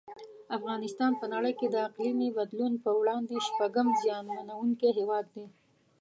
افغانستان په نړۍ کې د اقلیمي بدلون په وړاندې شپږم زیانمنونکی هیواد دی.